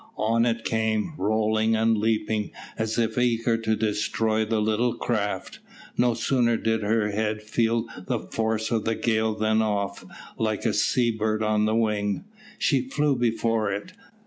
On it came, rolling and leaping, as if eager to destroy the little craft. No sooner did her head feel the force of the gale than off, like a sea bird on the wing, she flew before it.